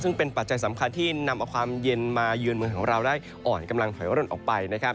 ซึ่งเป็นปัจจัยสำคัญที่นำเอาความเย็นมาเยือนเมืองของเราได้อ่อนกำลังถอยร่นออกไปนะครับ